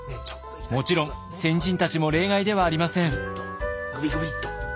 もちろん先人たちも例外ではありません。